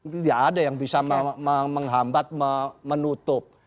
tidak ada yang bisa menghambat menutup